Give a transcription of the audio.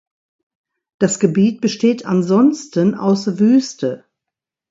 Das Gebiet besteht ansonsten aus Wüste.